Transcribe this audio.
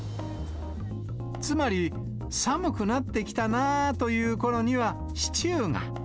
つまり、寒くなってきたなーというころにはシチューが。